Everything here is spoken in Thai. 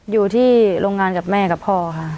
อยู่ที่โรงงานกับแม่กับพ่อค่ะ